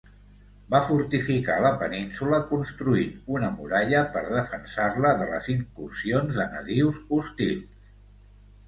Va fortificar la península, construint una muralla per defensar-la de les incursions de nadius hostils.